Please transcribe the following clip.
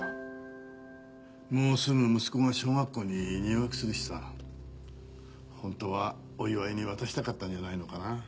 もうすぐ息子が小学校に入学するしさ本当はお祝いに渡したかったんじゃないのかな？